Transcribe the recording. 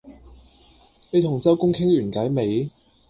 你同周公傾完偈未？